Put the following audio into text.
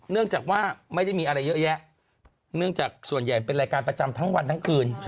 เนื่องจากว่าไม่ได้มีอะไรเยอะแยะเนื่องจากส่วนใหญ่เป็นรายการประจำทั้งวันทั้งคืน